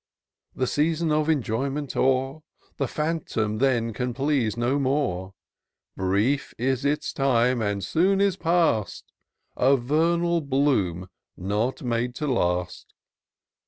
The season of enjoyment o'er, The phantom then can please no more : Brief is its time,' it soon is past ; A vernal bloom not made to last.